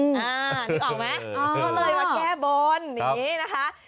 นี่ออกไหมก็เลยมาแก้บน